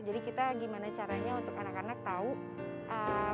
jadi kita gimana caranya untuk anak anak tahu plastik mana yang aman